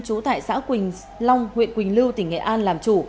trú tại xã quỳnh long huyện quỳnh lưu tỉnh nghệ an làm chủ